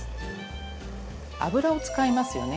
油を使いますよね